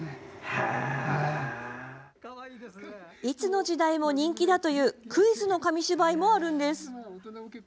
いつの時代も人気だというクイズの紙芝居もあるんです。